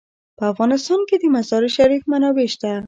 په افغانستان کې د مزارشریف منابع شته.